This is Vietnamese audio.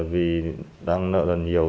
vì đang nợ lần nhiều